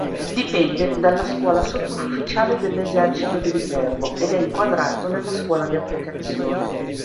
Dipende dalla Scuola Sottufficiali dell'Esercito di Viterbo ed è inquadrato nella Scuola di Applicazione.